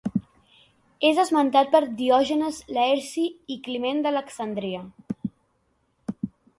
És esmentat per Diògenes Laerci i Climent d'Alexandria.